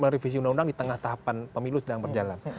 revisi undang undang di tengah tahapan pemilu sedang berjalan